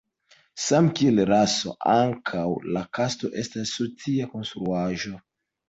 Same kiel raso, ankaŭ la kasto estas socia konstruaĵo.